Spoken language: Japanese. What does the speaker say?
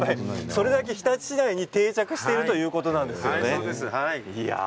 それだけ日立市内に定着しているということなんです。